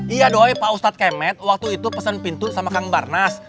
iya doanya pak ustadz kemet waktu itu pesen pintu sama kang barnas